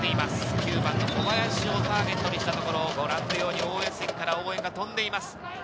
９番の小林をターゲットにしたところ、ご覧のように応援席から応援が飛んでいます。